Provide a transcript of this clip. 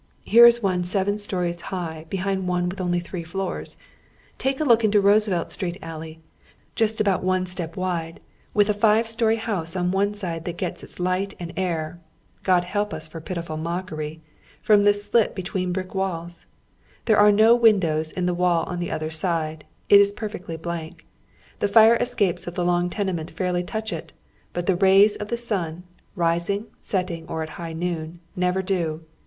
Here is one seven stories high behind one with only three floors. Take a look into this Roosevelt Street allej' ; just about one step wide, witli a five story house on one side that gets its light and air — God help us for pitiful mockery !— from this alit betM'een biick walls. There are no windows in the wall on the other side; it is perfectly blank. Tlie fire escapes of the long tenement fairly touch it ; but the rays of the sun, rising, setting, or at high noon, never do.